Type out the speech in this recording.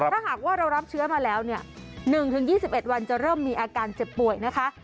ถ้าหากว่าเรารับเชื้อมาแล้วเนี่ย๑๒๑วันจะเริ่มมีอาการเจ็บป่วยนะคะ